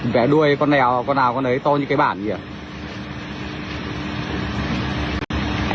bẻ đuôi con nào con ấy to như cái bản vậy